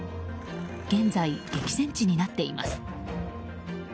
現在、激戦地になっています。